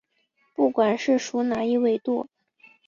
不管是属哪一纬度。